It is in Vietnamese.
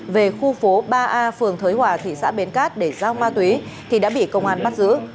về khu phố ba a phường thới hòa thị xã bến cát để giao ma túy thì đã bị công an bắt giữ